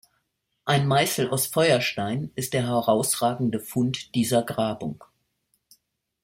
Ein Meißel aus Feuerstein ist der herausragende Fund dieser Grabung.